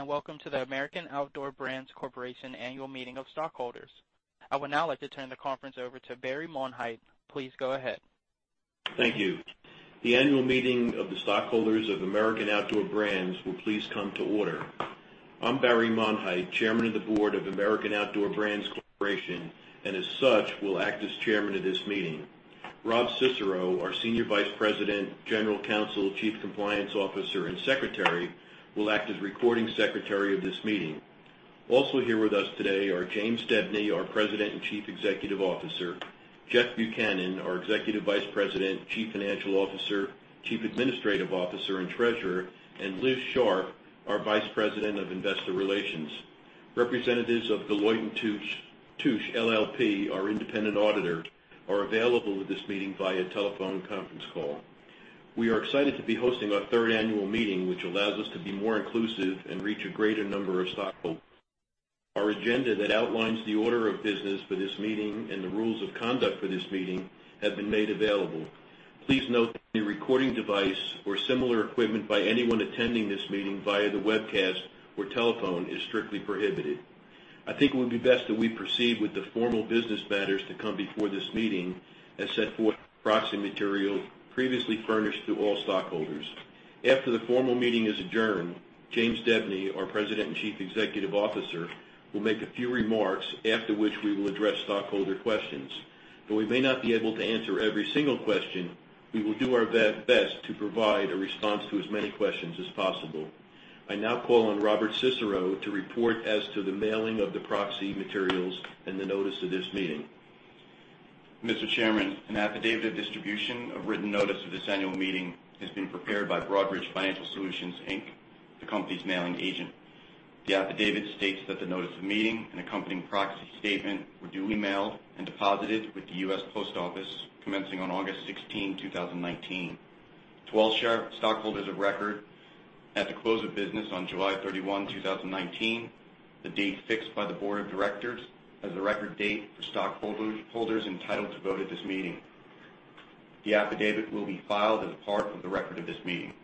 ...Good morning, and welcome to the American Outdoor Brands Corporation Annual Meeting of Stockholders. I would now like to turn the conference over to Barry Monheit. Please go ahead. Thank you. The annual meeting of the stockholders of American Outdoor Brands will please come to order. I'm Barry Monheit, Chairman of the Board of American Outdoor Brands Corporation, and as such, will act as chairman of this meeting. Rob Cicero, our Senior Vice President, General Counsel, Chief Compliance Officer, and Secretary, will act as recording secretary of this meeting. Also here with us today are James Debney, our President and Chief Executive Officer, Jeff Buchanan, our Executive Vice President, Chief Financial Officer, Chief Administrative Officer, and Treasurer, and Liz Sharp, our Vice President of Investor Relations. Representatives of Deloitte & Touche LLP, our independent auditor, are available at this meeting via telephone conference call. We are excited to be hosting our third annual meeting, which allows us to be more inclusive and reach a greater number of stockholders. Our agenda that outlines the order of business for this meeting and the rules of conduct for this meeting have been made available. Please note that any recording device or similar equipment by anyone attending this meeting via the webcast or telephone is strictly prohibited. I think it would be best that we proceed with the formal business matters to come before this meeting as set forth in the proxy material previously furnished to all stockholders. After the formal meeting is adjourned, James Debney, our President and Chief Executive Officer, will make a few remarks, after which we will address stockholder questions. Though we may not be able to answer every single question, we will do our very best to provide a response to as many questions as possible. I now call on Robert Cicero to report as to the mailing of the proxy materials and the notice of this meeting. Mr. Chairman, an affidavit of distribution of written notice of this annual meeting has been prepared by Broadridge Financial Solutions, Inc., the company's mailing agent. The affidavit states that the notice of meeting and accompanying proxy statement were duly mailed and deposited with the U.S. Post Office commencing on August 16, 2019. To all stockholders of record at the close of business on July 31, 2019, the date fixed by the Board of Directors as the record date for stockholders entitled to vote at this meeting. The affidavit will be filed as a part of the record of this meeting.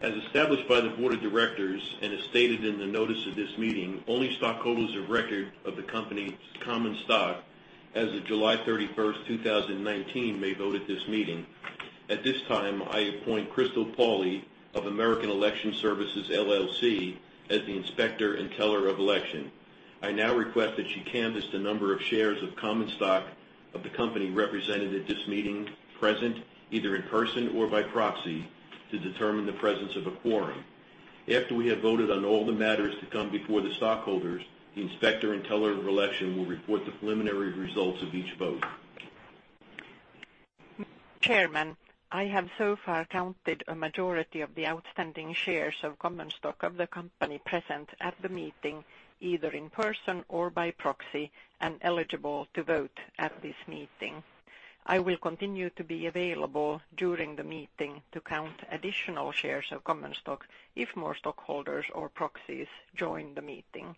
As established by the Board of Directors and as stated in the notice of this meeting, only stockholders of record of the company's common stock as of July 31st, 2019, may vote at this meeting. At this time, I appoint Crystal Pauli of American Election Services, LLC, as the Inspector and Teller of Election. I now request that she canvass the number of shares of common stock of the company represented at this meeting, present, either in person or by proxy, to determine the presence of a quorum. After we have voted on all the matters to come before the stockholders, the Inspector and Teller of Election will report the preliminary results of each vote. Chairman, I have so far counted a majority of the outstanding shares of common stock of the company present at the meeting, either in person or by proxy, and eligible to vote at this meeting. I will continue to be available during the meeting to count additional shares of common stock if more stockholders or proxies join the meeting.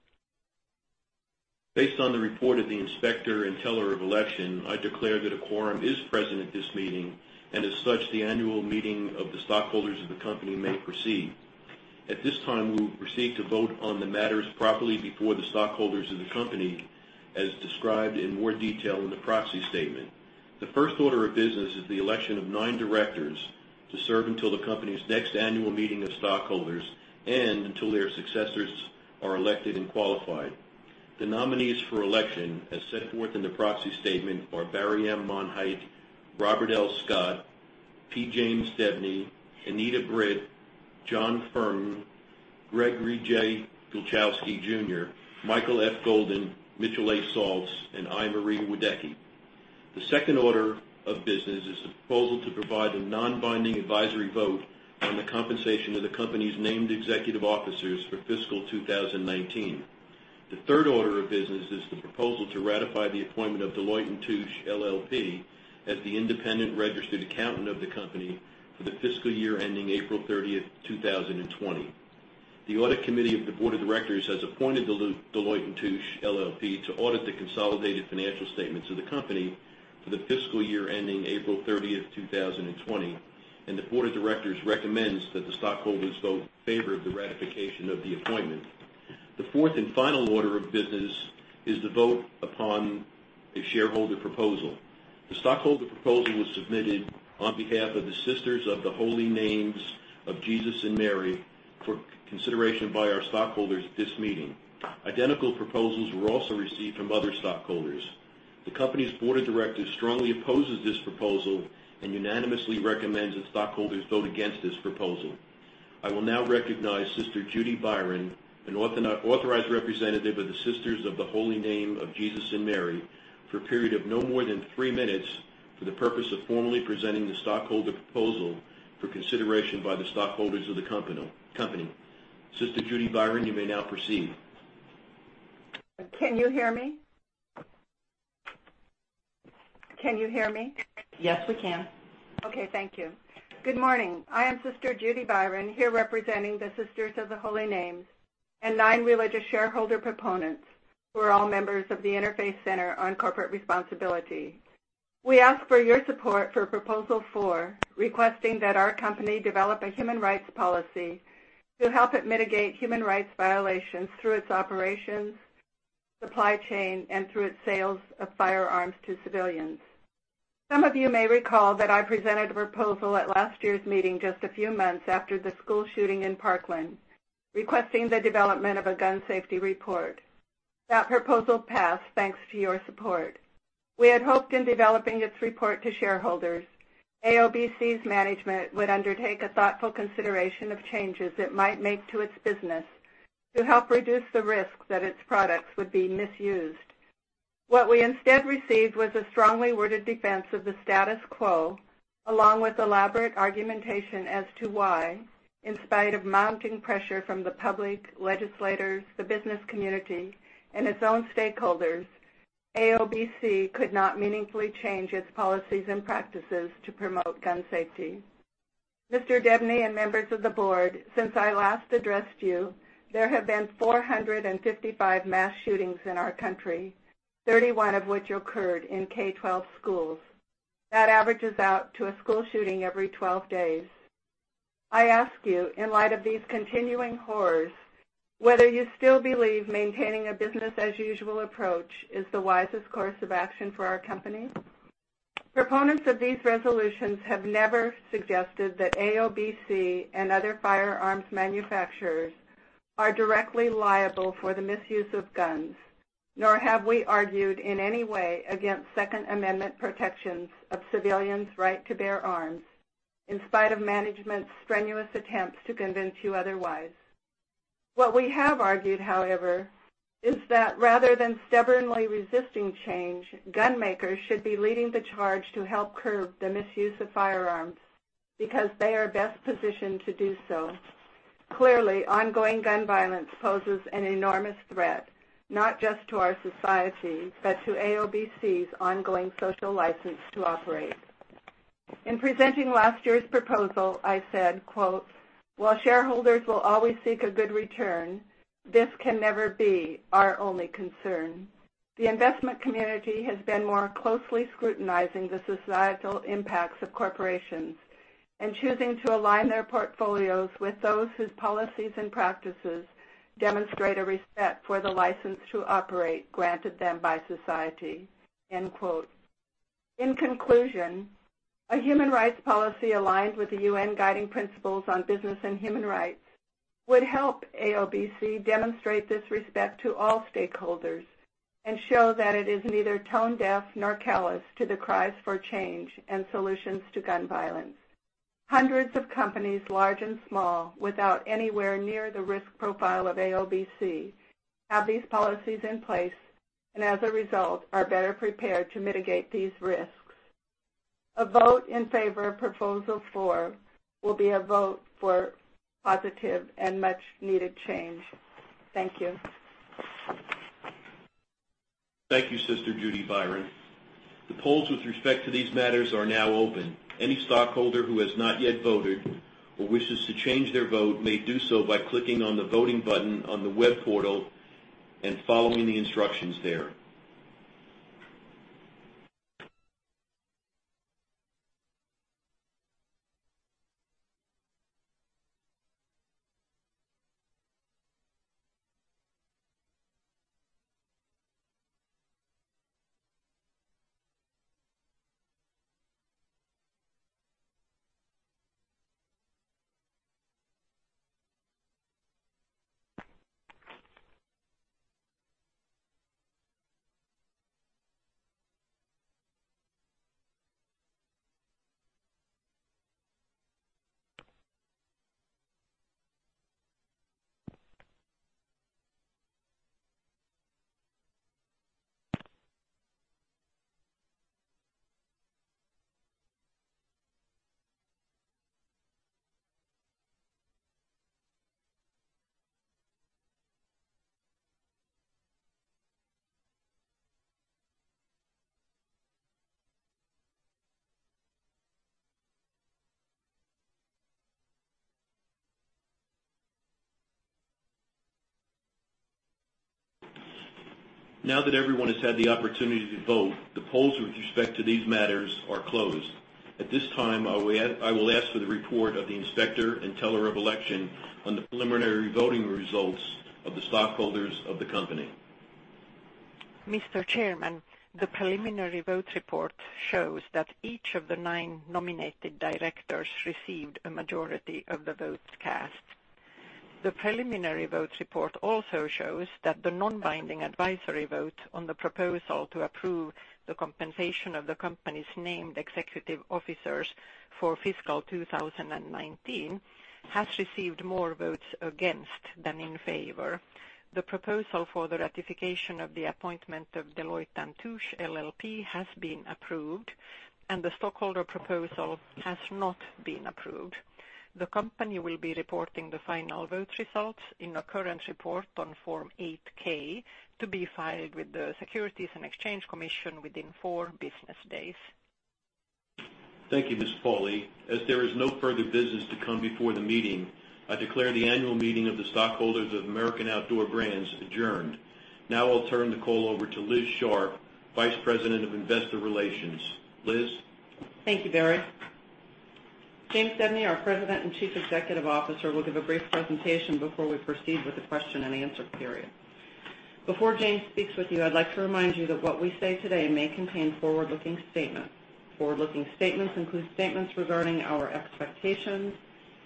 Based on the report of the Inspector and Teller of Election, I declare that a quorum is present at this meeting, and as such, the annual meeting of the stockholders of the company may proceed. At this time, we will proceed to vote on the matters properly before the stockholders of the company, as described in more detail in the proxy statement. The first order of business is the election of nine directors to serve until the company's next annual meeting of stockholders and until their successors are elected and qualified. The nominees for election, as set forth in the proxy statement, are Barry M. Monheit, Robert L. Scott, P. James Debney, Anita Britt, John Furman, Gregory J. Gluchowski, Jr., Michael F. Golden, Mitchell A. Saltz, and I. Marie Wadecki. The second order of business is the proposal to provide a non-binding advisory vote on the compensation of the company's named executive officers for fiscal 2019. The third order of business is the proposal to ratify the appointment of Deloitte & Touche LLP as the independent registered accountant of the company for the fiscal year ending April 30, 2020. The Audit Committee of the Board of Directors has appointed Deloitte & Touche LLP to audit the consolidated financial statements of the company for the fiscal year ending April 30, 2020, and the Board of Directors recommends that the stockholders vote in favor of the ratification of the appointment. The fourth and final order of business is the vote upon a shareholder proposal. The stockholder proposal was submitted on behalf of the Sisters of the Holy Names of Jesus and Mary, for consideration by our stockholders at this meeting. Identical proposals were also received from other stockholders. The company's Board of Directors strongly opposes this proposal and unanimously recommends that stockholders vote against this proposal. I will now recognize Sister Judy Byron, an authorized representative of the Sisters of the Holy Names of Jesus and Mary, for a period of no more than three minutes for the purpose of formally presenting the stockholder proposal for consideration by the stockholders of the company. Sister Judy Byron, you may now proceed. Can you hear me? Can you hear me? Yes, we can. Okay, thank you. Good morning. I am Sister Judy Byron, here representing the Sisters of the Holy Names and nine religious shareholder proponents, who are all members of the Interfaith Center on Corporate Responsibility.... We ask for your support for Proposal Four, requesting that our company develop a human rights policy to help it mitigate human rights violations through its operations, supply chain, and through its sales of firearms to civilians. Some of you may recall that I presented a proposal at last year's meeting, just a few months after the school shooting in Parkland, requesting the development of a gun safety report. That proposal passed, thanks to your support. We had hoped in developing its report to shareholders, AOBC's management would undertake a thoughtful consideration of changes it might make to its business to help reduce the risk that its products would be misused. What we instead received was a strongly worded defense of the status quo, along with elaborate argumentation as to why, in spite of mounting pressure from the public, legislators, the business community, and its own stakeholders, AOBC could not meaningfully change its policies and practices to promote gun safety. Mr. Debney and members of the board, since I last addressed you, there have been 455 mass shootings in our country, 31 of which occurred in K-12 schools. That averages out to a school shooting every 12 days. I ask you, in light of these continuing horrors, whether you still believe maintaining a business as usual approach is the wisest course of action for our company? Proponents of these resolutions have never suggested that AOBC and other firearms manufacturers are directly liable for the misuse of guns, nor have we argued in any way against Second Amendment protections of civilians' right to bear arms, in spite of management's strenuous attempts to convince you otherwise. What we have argued, however, is that rather than stubbornly resisting change, gun makers should be leading the charge to help curb the misuse of firearms because they are best positioned to do so. Clearly, ongoing gun violence poses an enormous threat, not just to our society, but to AOBC's ongoing social license to operate. In presenting last year's proposal, I said, quote, "While shareholders will always seek a good return, this can never be our only concern. The investment community has been more closely scrutinizing the societal impacts of corporations and choosing to align their portfolios with those whose policies and practices demonstrate a respect for the license to operate, granted them by society." End quote. In conclusion, a human rights policy aligned with the UN Guiding Principles on Business and Human Rights would help AOBC demonstrate this respect to all stakeholders and show that it is neither tone deaf nor callous to the cries for change and solutions to gun violence. Hundreds of companies, large and small, without anywhere near the risk profile of AOBC, have these policies in place, and as a result, are better prepared to mitigate these risks. A vote in favor of Proposal Four will be a vote for positive and much-needed change. Thank you. Thank you, Sister Judy Byron. The polls with respect to these matters are now open. Any stockholder who has not yet voted or wishes to change their vote may do so by clicking on the voting button on the web portal and following the instructions there. Now that everyone has had the opportunity to vote, the polls with respect to these matters are closed. At this time, I will ask for the report of the Inspector and Teller of Election on the preliminary voting results of the stockholders of the company. Mr. Chairman, the preliminary vote report shows that each of the 9 nominated directors received a majority of the votes cast. The preliminary vote report also shows that the non-binding advisory vote on the proposal to approve the compensation of the company's named executive officers for fiscal 2019 has received more votes against than in favor. The proposal for the ratification of the appointment of Deloitte & Touche LLP has been approved, and the stockholder proposal has not been approved. The company will be reporting the final vote results in a current report on Form 8-K, to be filed with the Securities and Exchange Commission within four business days.... Thank you, Ms. Pauli. As there is no further business to come before the meeting, I declare the annual meeting of the stockholders of American Outdoor Brands adjourned. Now I'll turn the call over to Liz Sharp, Vice President of Investor Relations. Liz? Thank you, Barry. James Debney, our President and Chief Executive Officer, will give a brief presentation before we proceed with the question and answer period. Before James speaks with you, I'd like to remind you that what we say today may contain forward-looking statements. Forward-looking statements include statements regarding our expectations,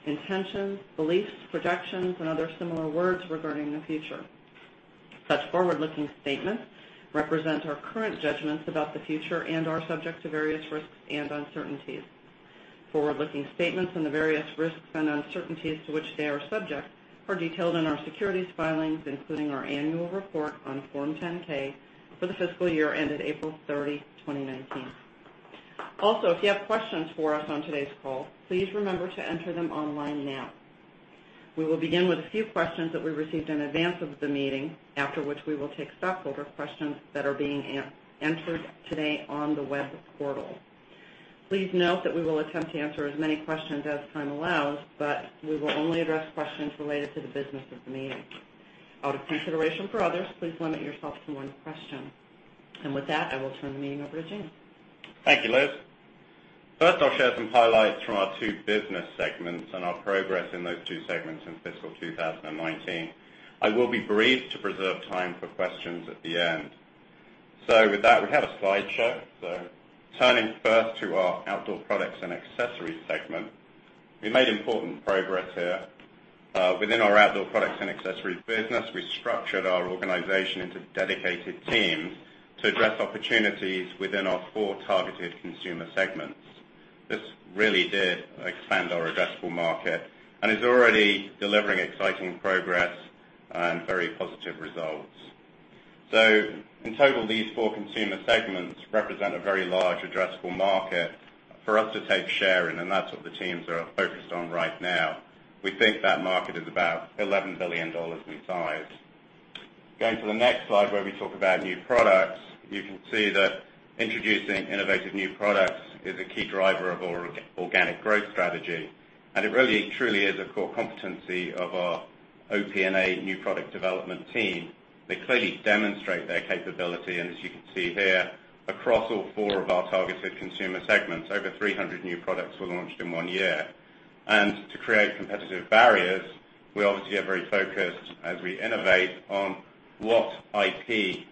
intentions, beliefs, projections, and other similar words regarding the future. Such forward-looking statements represent our current judgments about the future and are subject to various risks and uncertainties. Forward-looking statements and the various risks and uncertainties to which they are subject are detailed in our securities filings, including our annual report on Form 10-K for the fiscal year ended April 30, 2019. Also, if you have questions for us on today's call, please remember to enter them online now. We will begin with a few questions that we received in advance of the meeting, after which we will take stockholder questions that are being answered today on the web portal. Please note that we will attempt to answer as many questions as time allows, but we will only address questions related to the business of the meeting. Out of consideration for others, please limit yourself to one question. With that, I will turn the meeting over to James. Thank you, Liz. First, I'll share some highlights from our two business segments and our progress in those two segments in fiscal 2019. I will be brief to preserve time for questions at the end. So with that, we have a slideshow. So turning first to our outdoor products and accessories segment. We made important progress here. Within our outdoor products and accessories business, we structured our organization into dedicated teams to address opportunities within our four targeted consumer segments. This really did expand our addressable market and is already delivering exciting progress and very positive results. So in total, these four consumer segments represent a very large addressable market for us to take share in, and that's what the teams are focused on right now. We think that market is about $11 billion in size. Going to the next slide, where we talk about new products, you can see that introducing innovative new products is a key driver of our organic growth strategy, and it really, truly is a core competency of our OP&A new product development team. They clearly demonstrate their capability, and as you can see here, across all four of our targeted consumer segments, over 300 new products were launched in one year. And to create competitive barriers, we obviously are very focused as we innovate on what IP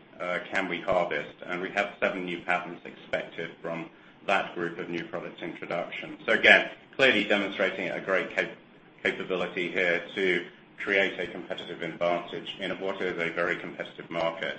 can we harvest, and we have seven new patents expected from that group of new products introduction. So again, clearly demonstrating a great capability here to create a competitive advantage in what is a very competitive market.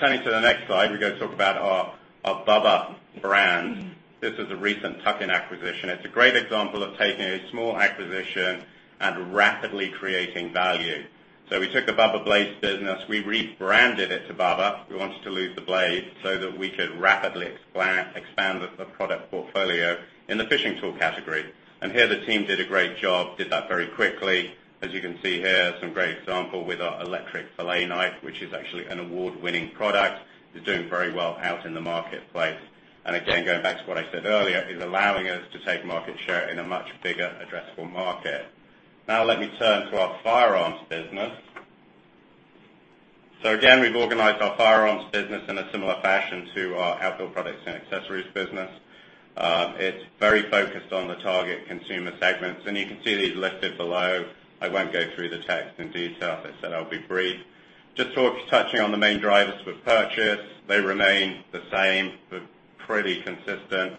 Turning to the next slide, we're going to talk about our Bubba brand. This is a recent tuck-in acquisition. It's a great example of taking a small acquisition and rapidly creating value. So we took the Bubba Blades business, we rebranded it to Bubba. We wanted to lose the blade so that we could rapidly expand the product portfolio in the fishing tool category. And here, the team did a great job, did that very quickly. As you can see here, some great example with our electric fillet knife, which is actually an award-winning product. It's doing very well out in the marketplace, and again, going back to what I said earlier, is allowing us to take market share in a much bigger addressable market. Now let me turn to our firearms business. So again, we've organized our firearms business in a similar fashion to our outdoor products and accessories business. It's very focused on the target consumer segments, and you can see these listed below. I won't go through the text in detail. I said I'll be brief. Just talking, touching on the main drivers for purchase, they remain the same, but pretty consistent.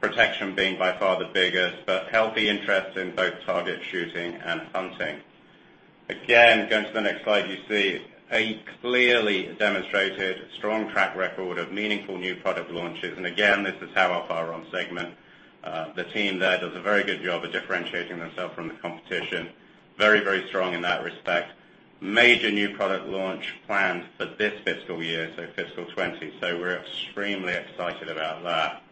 Protection being by far the biggest, but healthy interest in both target shooting and hunting. Again, going to the next slide, you see a clearly demonstrated strong track record of meaningful new product launches. And again, this is how our firearm segment, the team there does a very good job of differentiating themselves from the competition. Very, very strong in that respect. Major new product launch planned for this fiscal year, so fiscal 2020. So we're extremely excited about that.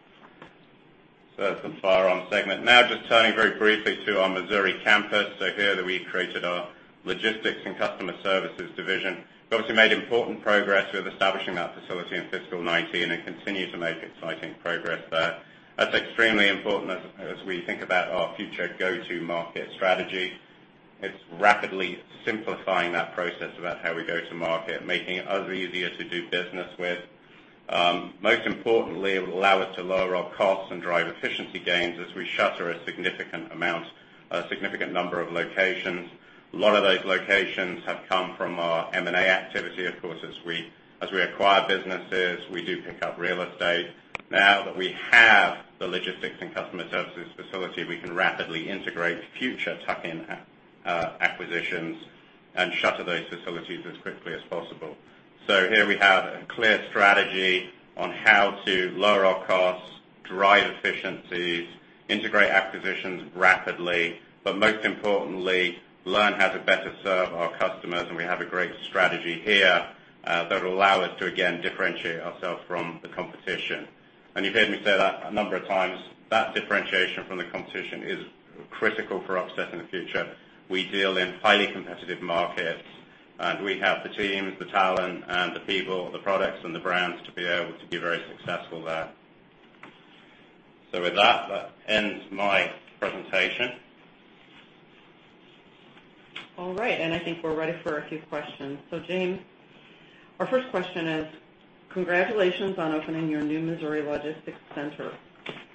So that's the firearm segment. Now, just turning very briefly to our Missouri campus. So here, we created our logistics and customer services division. We obviously made important progress with establishing that facility in fiscal 2019 and continue to make exciting progress there. That's extremely important as, as we think about our future go-to market strategy. It's rapidly simplifying that process about how we go to market, making us easier to do business with. Most importantly, it will allow us to lower our costs and drive efficiency gains as we shutter a significant number of locations. A lot of those locations have come from our M&A activity. Of course, as we acquire businesses, we do pick up real estate. Now that we have the logistics and customer services facility, we can rapidly integrate future tuck-in acquisitions and shutter those facilities as quickly as possible. So here we have a clear strategy on how to lower our costs, drive efficiencies, integrate acquisitions rapidly, but most importantly, learn how to better serve our customers, and we have a great strategy here that will allow us to, again, differentiate ourselves from the competition. And you've heard me say that a number of times. That differentiation from the competition is critical for our success in the future. We deal in highly competitive markets, and we have the teams, the talent, and the people, the products, and the brands to be able to be very successful there. So with that, that ends my presentation. All right, I think we're ready for a few questions. James, our first question is: congratulations on opening your new Missouri logistics center.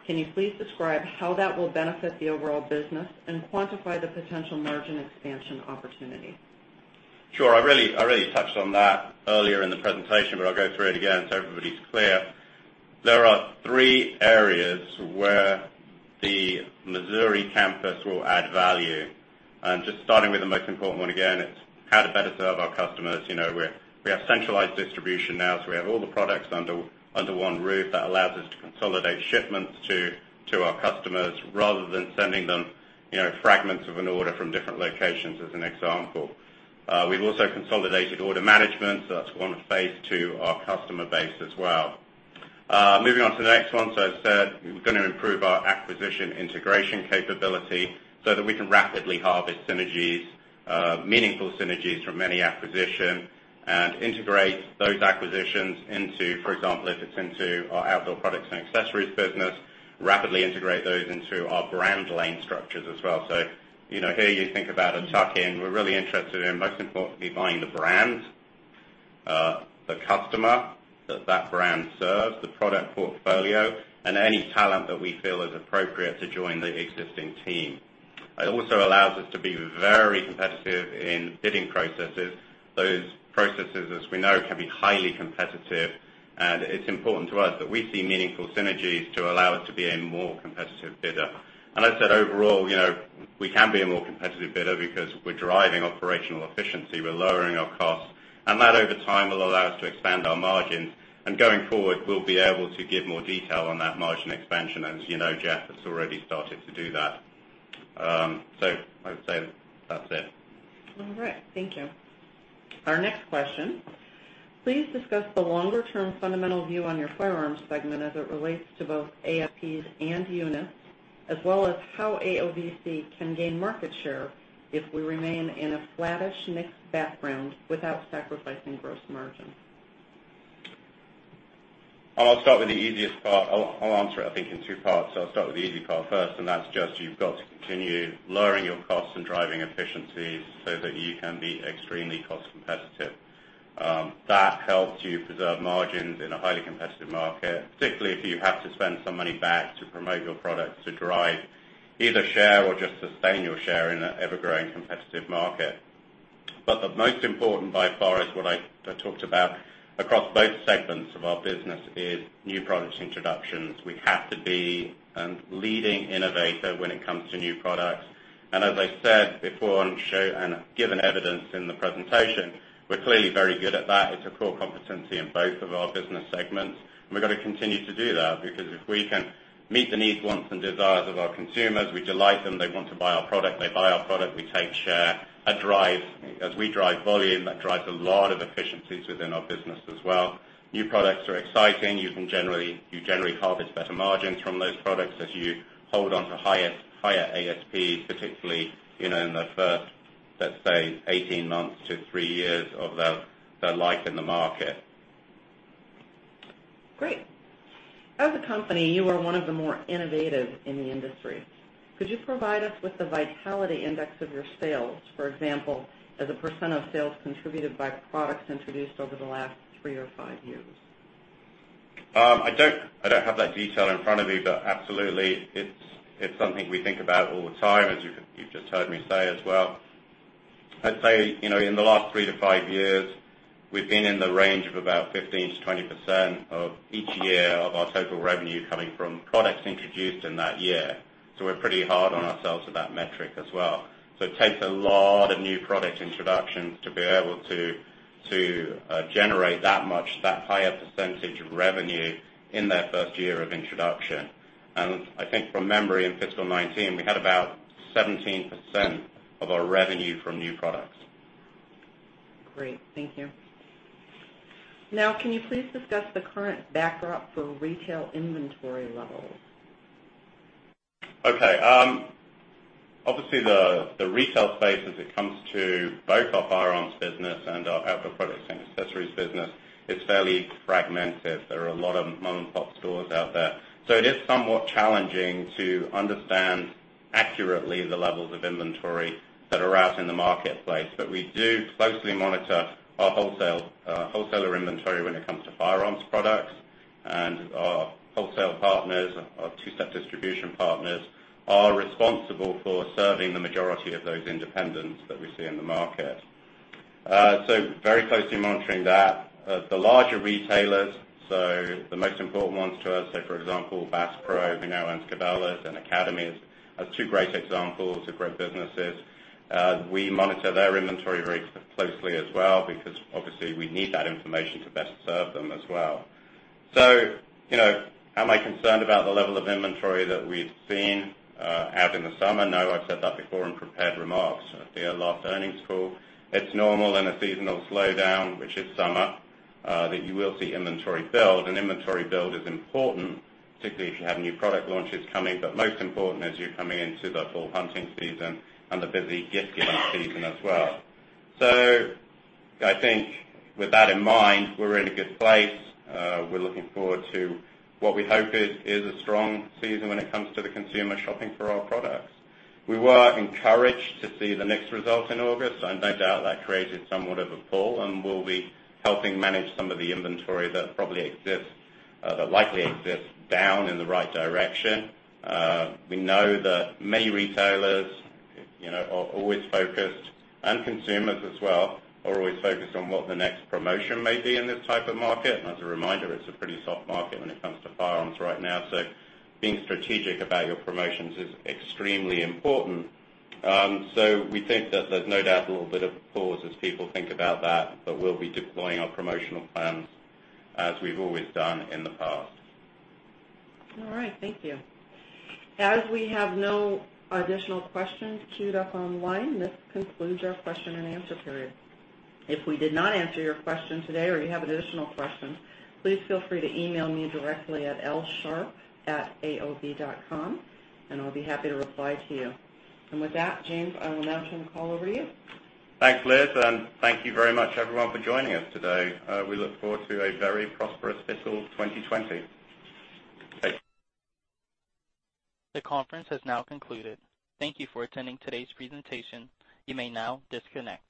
Can you please describe how that will benefit the overall business and quantify the potential margin expansion opportunity? Sure. I really, I really touched on that earlier in the presentation, but I'll go through it again, so everybody's clear. There are three areas where the Missouri campus will add value. Just starting with the most important one again, it's how to better serve our customers. You know, we're- we have centralized distribution now, so we have all the products under, under one roof. That allows us to consolidate shipments to, to our customers rather than sending them, you know, fragments of an order from different locations, as an example. We've also consolidated order management, so that's gone to phase two of our customer base as well. Moving on to the next one. So as I said, we're gonna improve our acquisition integration capability so that we can rapidly harvest synergies, meaningful synergies from any acquisition, and integrate those acquisitions into... For example, if it's into our outdoor products and accessories business, rapidly integrate those into our brand lane structures as well. So, you know, here you think about a tuck-in. We're really interested in, most importantly, buying the brand, the customer that that brand serves, the product portfolio, and any talent that we feel is appropriate to join the existing team. It also allows us to be very competitive in bidding processes. Those processes, as we know, can be highly competitive, and it's important to us that we see meaningful synergies to allow us to be a more competitive bidder. And I said, overall, you know, we can be a more competitive bidder because we're driving operational efficiency, we're lowering our costs, and that, over time, will allow us to expand our margins. And going forward, we'll be able to give more detail on that margin expansion. As you know, Jeff has already started to do that. So, I would say that's it. All right. Thank you. Our next question: Please discuss the longer-term fundamental view on your firearms segment as it relates to both ASPs and units, as well as how AOBC can gain market share if we remain in a flattish NICS background without sacrificing gross margin? I'll start with the easiest part. I'll answer it, I think, in two parts, so I'll start with the easy part first, and that's just you've got to continue lowering your costs and driving efficiencies so that you can be extremely cost competitive. That helps you preserve margins in a highly competitive market, particularly if you have to spend some money back to promote your products to drive either share or just sustain your share in an ever-growing competitive market. But the most important, by far, is what I talked about across both segments of our business is new product introductions. We have to be a leading innovator when it comes to new products. And as I said before, and shown and given evidence in the presentation, we're clearly very good at that. It's a core competency in both of our business segments, and we're gonna continue to do that, because if we can meet the needs, wants, and desires of our consumers, we delight them, they want to buy our product, they buy our product, we take share. That drives... As we drive volume, that drives a lot of efficiencies within our business as well. New products are exciting. You generally harvest better margins from those products as you hold on to higher, higher ASP, particularly, you know, in the first, let's say, 18 months 3 years of their life in the market. Great! As a company, you are one of the more innovative in the industry. Could you provide us with the vitality index of your sales? For example, as a % of sales contributed by products introduced over the last three or five years. I don't have that detail in front of me, but absolutely, it's something we think about all the time, as you've just heard me say as well. I'd say, you know, in the last 3-5 years, we've been in the range of about 15%-20% of each year of our total revenue coming from products introduced in that year. So we're pretty hard on ourselves for that metric as well. So it takes a lot of new product introductions to be able to generate that much, that higher percentage of revenue in their first year of introduction. And I think from memory, in fiscal 2019, we had about 17% of our revenue from new products. Great. Thank you. Now, can you please discuss the current backdrop for retail inventory levels? Okay. Obviously, the retail space, as it comes to both our firearms business and our outdoor products and accessories business, is fairly fragmented. There are a lot of mom-and-pop stores out there. So it is somewhat challenging to understand accurately the levels of inventory that are out in the marketplace. But we do closely monitor our wholesale, wholesaler inventory when it comes to firearms products. And our wholesale partners, our two-step distribution partners, are responsible for serving the majority of those independents that we see in the market. So very closely monitoring that. The larger retailers, so the most important ones to us, so for example, Bass Pro, we know, and Cabela's, and Academy as two great examples of great businesses, we monitor their inventory very closely as well, because obviously, we need that information to best serve them as well. So, you know, am I concerned about the level of inventory that we've seen out in the summer? No, I've said that before in prepared remarks at the last earnings call. It's normal in a seasonal slowdown, which is summer, that you will see inventory build. And inventory build is important, particularly if you have new product launches coming. But most important, as you're coming into the full hunting season and the busy gift-giving season as well. So I think with that in mind, we're in a good place. We're looking forward to what we hope is, is a strong season when it comes to the consumer shopping for our products. We were encouraged to see the NICS results in August, and no doubt that created somewhat of a pull, and we'll be helping manage some of the inventory that probably exists, that likely exists down in the right direction. We know that many retailers, you know, are always focused, and consumers as well, are always focused on what the next promotion may be in this type of market. And as a reminder, it's a pretty soft market when it comes to firearms right now, so being strategic about your promotions is extremely important. So we think that there's no doubt a little bit of pause as people think about that, but we'll be deploying our promotional plans as we've always done in the past. All right. Thank you. As we have no additional questions queued up online, this concludes our question and answer period. If we did not answer your question today or you have additional questions, please feel free to email me directly at lsharp@aob.com, and I'll be happy to reply to you. With that, James, I will now turn the call over to you. Thanks, Liz, and thank you very much, everyone, for joining us today. We look forward to a very prosperous fiscal 2020. Thank you. The conference has now concluded. Thank you for attending today's presentation. You may now disconnect.